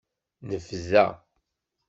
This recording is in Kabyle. Nebda.